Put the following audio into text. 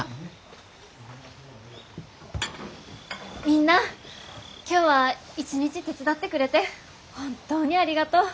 みんな今日は一日手伝ってくれて本当にありがとう！